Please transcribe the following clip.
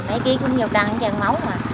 mấy ký cũng vô căng cho ăn máu mà